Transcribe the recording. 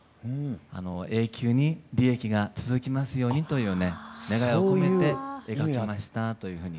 永久に利益が続きますようにというね願いを込めて描きましたというふうに。